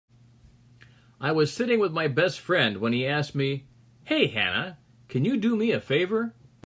I was sitting with my best friend when he asked me, "Hey Hannah, can you do me a favor?"